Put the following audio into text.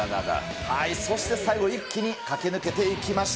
そして最後、一気に駆け抜けていきました。